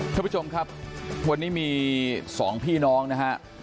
ท่านผู้ชมครับวันนี้มี๒พี่น้องนะฮะ